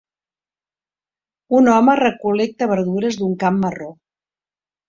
Un home recol·lecta verdures d'un camp marró.